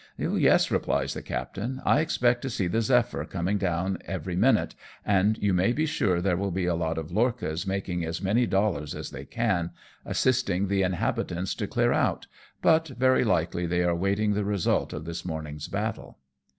'^Yes," replies the captain; "I expect to 'meet the Zephyr coming down every minute, and you may be sure there will be a lot of lorchas making as many dollars as they can, assisting the inhabitants to clear out, but very likely they are waiting the result of this morning's battle."